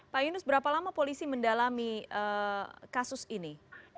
pak yunus berapa lama polisi mendalami kasus ini